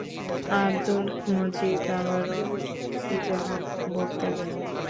আব্দুল মজিদ আবারো কী যেন বলতে গেল।